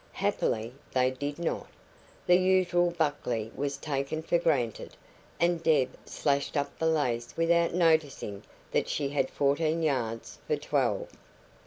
Happily, they did not. The usual Buckley was taken for granted, and Deb slashed up the lace without noticing that she had fourteen yards for twelve.